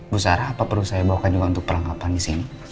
bu sarah apa perlu saya bawakan juga untuk perlengkapan di sini